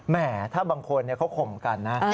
ถ้าบางคนเขาข่มกันนะ